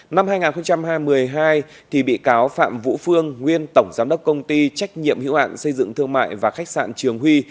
năm hai nghìn hai mươi hai bị cáo phạm vũ phương nguyên tổng giám đốc công ty trách nhiệm hiệu ạn xây dựng thương mại và khách sạn trường huy